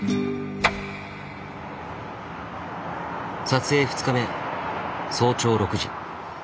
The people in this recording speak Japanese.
撮影２日目早朝６時。